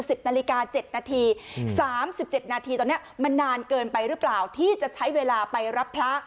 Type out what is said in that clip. ๑๐นาฬิกา๗นาทีตอนนี้มันนานเกินไปรึเปล่าที่จะใช้เวลาไปรับพระ